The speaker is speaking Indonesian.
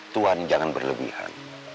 tuhan jangan berlebihan